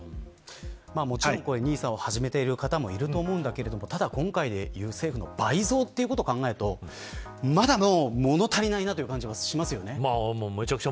もちろん、ＮＩＳＡを始めている方もいると思うんですけど今回、政府のいう倍増を考えるとまだ物足りないなという感じがしますよね。